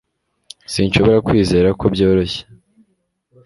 sinshobora kwizera ko byoroshye